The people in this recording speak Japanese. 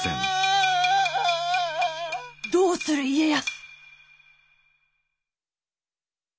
どうする家康。